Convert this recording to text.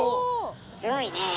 すごいねえ。